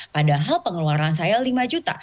padahal pengeluaran saya lima juta